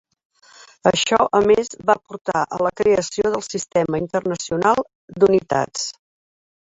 Això a més va portar a la creació del Sistema Internacional d'Unitats.